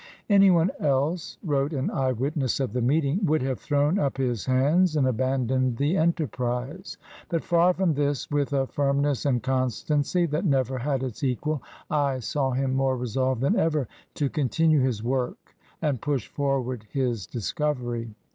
Any one else/* wrote an eye witness of the meet ing, ''would have thrown up his hands and aban doned the enterprise; but far from this, with a firmness and constancy that never had its equal, I saw him more resolved than ever to continue his work and push forward his discovery.''